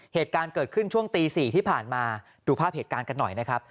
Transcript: เหตุการณ์เกิดขึ้นช่วงตี๔ที่ผ่านมาดูภาพเหตุการณ์กันหน่อยนะครับ